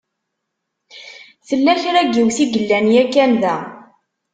Tella kra n yiwet i yellan yakan da.